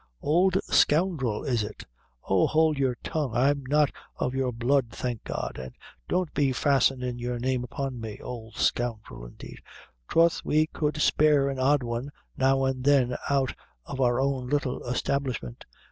"Ould scoundrel, is it? Oh, hould your tongue; I'm not of your blood, thank God! and don't be fastenin' your name upon me. Ould scoundrel, indeed! Troth, we could spare an odd one now and then out of our own little establishment."